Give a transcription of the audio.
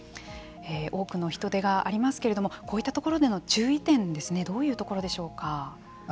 多くの人出がありますけれどもこういった所での注意点ですねどういうところでしょうか。